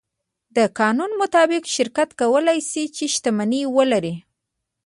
د قانون مطابق شرکت کولی شي، چې شتمنۍ ولري.